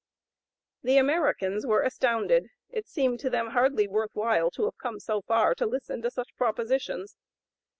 The Americans were astounded; it seemed to them hardly worth while to have come so far to listen to such propositions.